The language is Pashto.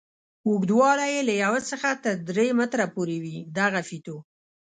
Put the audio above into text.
اوږدوالی یې له یوه څخه تر درې متره پورې وي دغه فیتو.